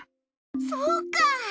そうか！